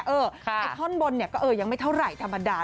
ไอ้ท่อนบนก็ยังไม่เท่าไหร่ธรรมดา